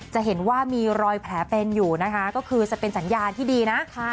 จะเห็นว่ามีรอยแผลเป็นอยู่นะคะก็คือจะเป็นสัญญาณที่ดีนะ